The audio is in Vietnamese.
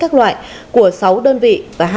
các loại của sáu đơn vị và